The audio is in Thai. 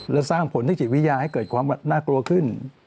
และสร้างผลทางจิตวิทยาให้เกิดความน่ากลัวขึ้น